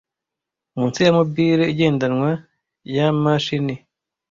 munsi ya mobile igendanwa yamashami